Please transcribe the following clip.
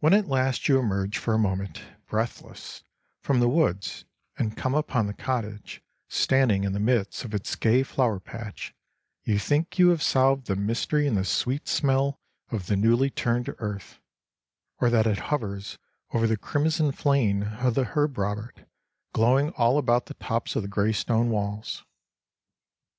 When at last you emerge for a moment—breathless—from the woods, and come upon the cottage, standing in the midst of its gay flower patch, you think you have solved the mystery in the sweet smell of the newly turned earth; or that it hovers over the crimson flame of the Herb Robert glowing all about the tops of the grey stone walls.